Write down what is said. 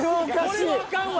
これはあかんわ。